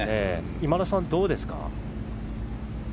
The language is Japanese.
今田さん、どうですか？